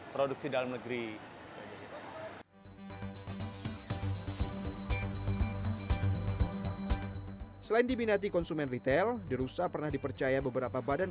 produksi dalam negeri selain diminati konsumen retail derusa pernah dipercaya beberapa badan